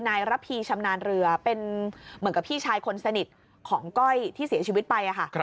ระพีชำนาญเรือเป็นเหมือนกับพี่ชายคนสนิทของก้อยที่เสียชีวิตไปค่ะ